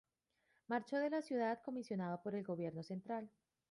Marchó de la ciudad comisionado por el gobierno central.